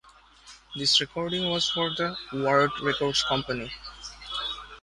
This recording was for the Word Records company.